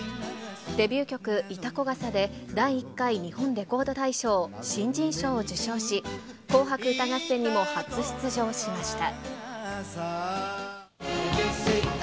デビュー曲、潮来笠で、第１回日本レコード大賞新人賞を受賞し、紅白歌合戦にも初出場しました。